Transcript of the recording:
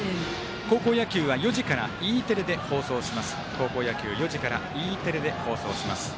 高校野球は４時からＥテレで放送します。